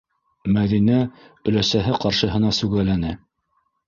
- Мәҙинә өләсәһе ҡаршыһына сүгәләне.